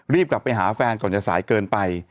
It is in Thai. รีบกลับไปหาแฟนก่อนจะสายเกินไป